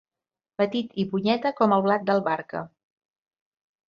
Petit i punyeta com el blat d'Albarca.